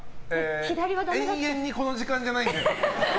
延々にこの時間じゃないんで。